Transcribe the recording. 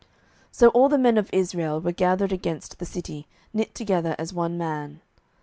07:020:011 So all the men of Israel were gathered against the city, knit together as one man.